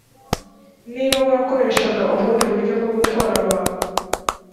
niba warakoreshaga ubundi buryo bwo gutwara abantu